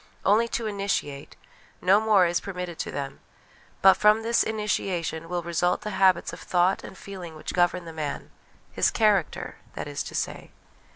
Only to initiate ; no more is permitted to them ; but from this initiation will result the habits of thought and feeling which govern the man his character, that is to say.